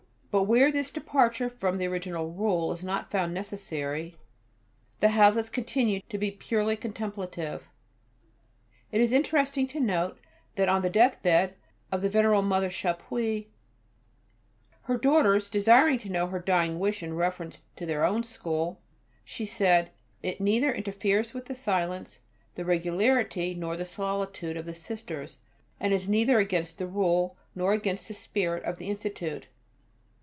But where this departure from the original Rule is not found necessary, the houses continue to be purely contemplative. It is interesting to note that on the deathbed of the Venerable Mother Chappuis, her daughters desiring to know her dying wish in reference to their own school, she said: "It neither interferes with the silence, the regularity, nor the solitude of the Sisters, and is neither against the Rule, nor against the spirit of the Institute."